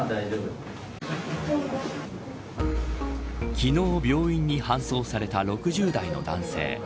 昨日、病院に搬送された６０代の男性。